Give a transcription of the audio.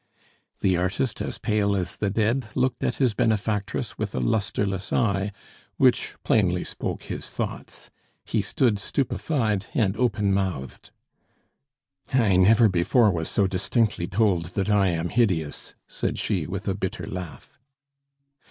The artist, as pale as the dead, looked at his benefactress with a lustreless eye, which plainly spoke his thoughts. He stood stupefied and open mouthed. "I never before was so distinctly told that I am hideous," said she, with a bitter laugh.